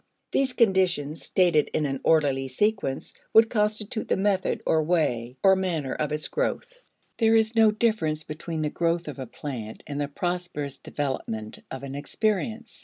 These conditions, stated in an orderly sequence, would constitute the method or way or manner of its growth. There is no difference between the growth of a plant and the prosperous development of an experience.